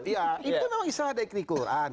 itu namanya islah dari quran